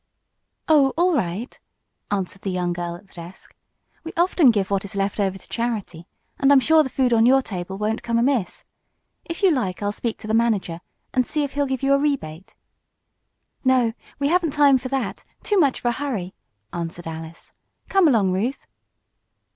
"Oh, all right," answered the young girl at the desk. "We often give what is left over to charity, and I'm sure the food on your table won't come amiss. If you like I'll speak to the manager, and see if he'll give you a rebate " "No, we haven't time for that too much of a hurry," answered Alice. "Come along, Ruth."